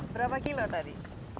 berapa kilo tadi